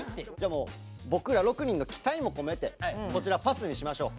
もう僕ら６人の期待も込めてこちら「パス」にしましょう。